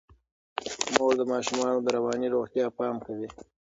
مور د ماشومانو د رواني روغتیا پام کوي.